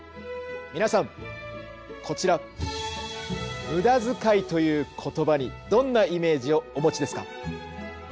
皆さんこちら「無駄遣い」という言葉にどんなイメージをお持ちですか？